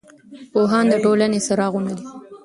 پوهان د ټولنې څراغونه دي.